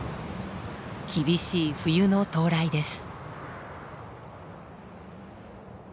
厳しい冬の到来です。